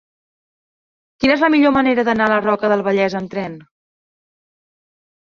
Quina és la millor manera d'anar a la Roca del Vallès amb tren?